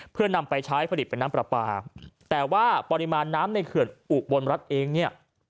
เพื่อนำไปใช้ผลิตเป็นน้ำปลาปลาแต่ว่าปริมาณน้ำในเขื่อนอุบลรัฐเองเนี่ย